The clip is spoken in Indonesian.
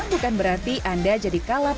bukan berarti anda jadi kalap